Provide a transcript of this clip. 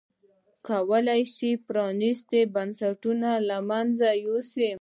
کولای یې شول پرانیستي بنسټونه له منځه یوسي.